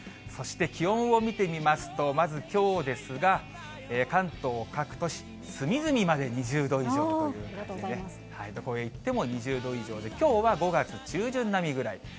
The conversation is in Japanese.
そして気温を見てみますと、まずきょうですが、関東各都市、隅々まで２０度以上ということでね、どこへ行っても２０度以上で、きょうは５月中旬並みぐらい。